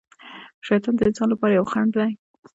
شیطان د انسان لپاره یو خڼډ دی.